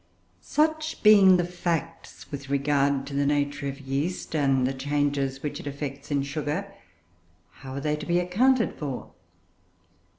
Such being the facts with regard to the nature of yeast, and the changes which it effects in sugar, how are they to be accounted for?